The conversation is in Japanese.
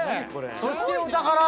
そしてお宝。